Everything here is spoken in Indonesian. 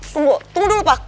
tunggu dulu pak